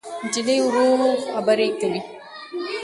نجلۍ ورو خبرې کوي.